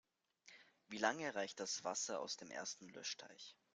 Wie lange reicht das Wasser aus dem ersten Löschteich?